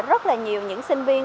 rất là nhiều những sinh viên